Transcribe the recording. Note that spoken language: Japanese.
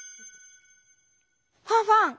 ファンファン！